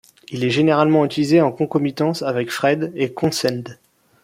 Il est généralement utilisé en concomitance avec Phred et Consed.